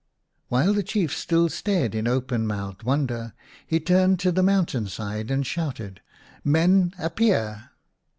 While the Chief still stared in open mouthed wonder, he turned to the mountain side and shouted, " Men, appear